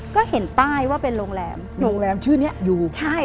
ก็เห็นป้ายว่าเป็นโรงแรมโรงแรมชื่อเนี้ยอยู่ใช่